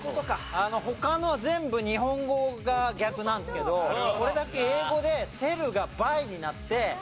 他のは全部日本語が逆なんですけどこれだけ英語でｓｅｌｌがｂｕｙになって。